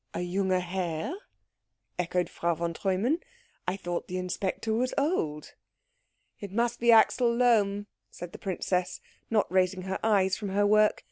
"A jünge Herr?" echoed Frau von Treumann. "I thought the inspector was old?" "It must be Axel Lohm," said the princess, not raising her eyes from her work.